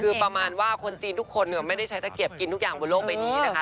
คือประมาณว่าคนจีนทุกคนไม่ได้ใช้ตะเกียบกินทุกอย่างบนโลกใบนี้นะคะ